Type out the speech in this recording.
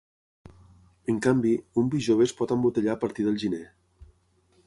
En canvi, un vi jove es pot embotellar a partir del gener.